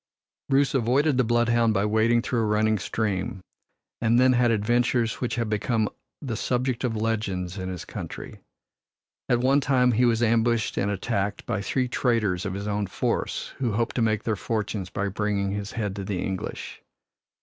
Bruce avoided the bloodhound by wading through a running stream, and then had adventures which have become the subject of legends in his country. At one time he was ambushed and attacked by three traitors of his own force, who hoped to make their fortunes by bringing his head to the English.